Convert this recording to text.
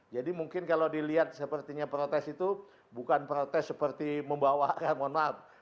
jadi mungkin kalau dilihat sepertinya protes itu bukan protes seperti membawa kan mohon maaf